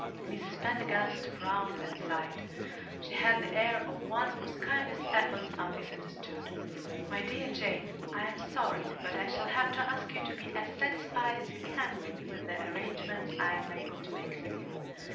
Mrs. Pendergast frowned and sighed. She had the air of one whose kindest efforts are misunderstood. "My dear Jane, I am sorry, but I shall have to ask you to be as satisfied as you can be with the arrangements I am able to make for you.